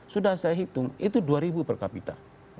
sudah saya hitung itu dua ribu per kapita